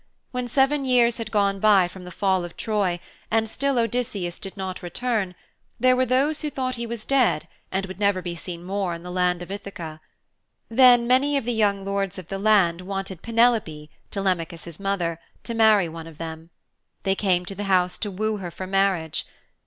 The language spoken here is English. When seven years had gone by from the fall of Troy and still Odysseus did not return there were those who thought he was dead and would never be seen more in the land of Ithaka. Then many of the young lords of the land wanted Penelope, Telemachus' mother, to marry one of them. They came to the house to woo her for marriage.